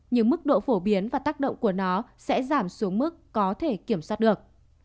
nhưng mức độ phổ biến và tác động của nó sẽ giảm xuống mức có thể kiểm soát được